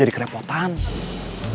untuk membangun diri